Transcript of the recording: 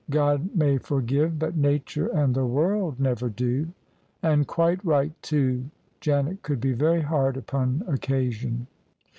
God may forgive, but Nature and the world never do." " And quite right, too 1 " Janet could be very hard upon occasion.